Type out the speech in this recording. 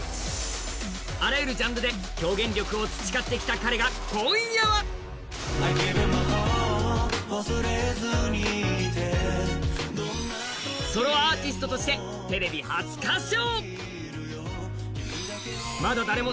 あらゆるジャンルで表現力を培ってきた彼が、今夜はソロアーティストとしてテレビ初歌唱。